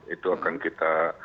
itu akan kita